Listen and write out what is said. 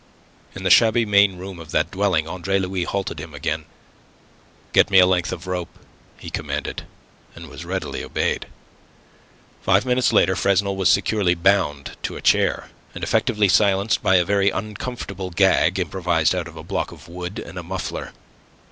In the shabby main room of that dwelling, Andre Louis halted him again. "Get me a length of rope," he commanded, and was readily obeyed. Five minutes later Fresnel was securely bound to a chair, and effectively silenced by a very uncomfortable gag improvised out of a block of wood and a muffler.